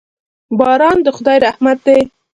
باران د خدای رحمت دی.